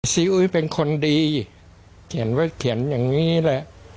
อุ้ยเป็นคนดีเขียนไว้เขียนอย่างนี้แหละ